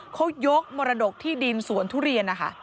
เขายกมรดกที่ดินสวนทุเรียนนะคะ